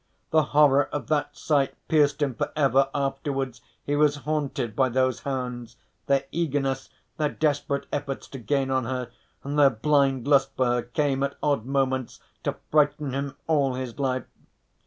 The horror of that sight pierced him, for ever afterwards he was haunted by those hounds their eagerness, their desperate efforts to gain on her, and their blind lust for her came at odd moments to frighten him all his life.